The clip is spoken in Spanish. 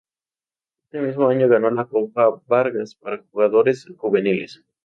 Ese mismo año ganó la Copa Vargas, para jugadores juveniles.